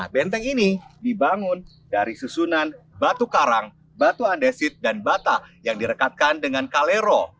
benteng ini dibangun dari susunan batu karang batu andesit dan bata yang direkatkan dengan kalero